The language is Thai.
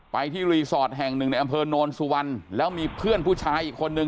ไปที่รีสอร์ทแห่งหนึ่งในอำเภอโนนสุวรรณแล้วมีเพื่อนผู้ชายอีกคนนึง